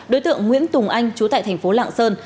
đối tượng nguyễn tùng anh chú tại thành phố lạng sơn